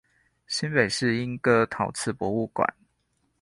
新北市立鶯歌陶瓷博物館